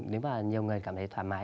nếu mà nhiều người cảm thấy thoải mái